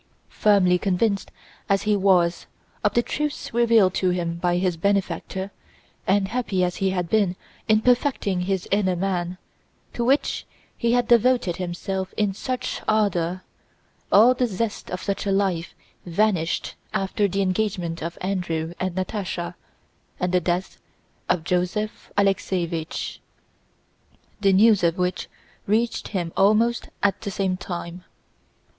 Firmly convinced as he was of the truths revealed to him by his benefactor, and happy as he had been in perfecting his inner man, to which he had devoted himself with such ardor—all the zest of such a life vanished after the engagement of Andrew and Natásha and the death of Joseph Alexéevich, the news of which reached him almost at the same time.